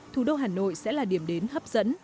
thủ đô hà nội sẽ là điểm đến hấp dẫn